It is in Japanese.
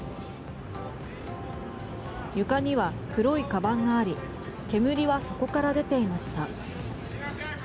床には黒いかばんがあり煙はそこから出ていました。